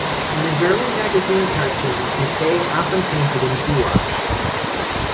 In his early magazine cartoons McCay often painted in gouache.